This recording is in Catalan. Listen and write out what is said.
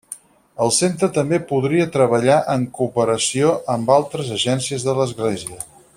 El centre també podria treballar en cooperació amb altres agències de l'Església.